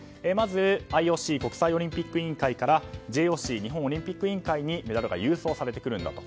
まずＩＯＣ・国際オリンピック委員会からＪＯＣ・日本オリンピック委員会にメダルが郵送されてくる。